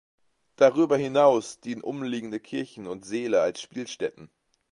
Darüber hinaus dienen umliegende Kirchen und Säle als Spielstätten.